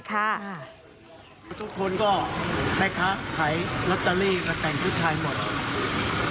ทุกคนก็แม่ค้าขายลอตเตอรี่ก็แต่งชุดไทยหมด